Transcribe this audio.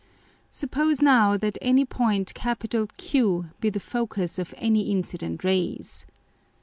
Suppose now that any Point Q be the Focus of any incident Rays.